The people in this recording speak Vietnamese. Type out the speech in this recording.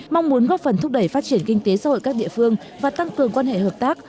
mong muốn góp phần thúc đẩy phát triển kinh tế xã hội các địa phương và tăng cường quan hệ hợp tác